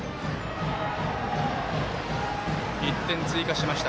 １点追加しました。